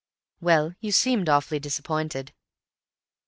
"Well, you seemed awfully disappointed."